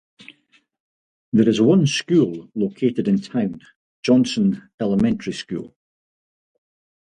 There is one school located in town, Johnston Elementary School.